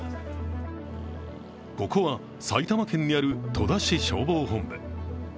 ここは埼玉県にある戸田市消防本部。